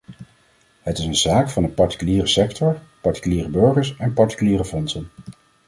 Het is een zaak van de particuliere sector, particuliere burgers en particuliere fondsen.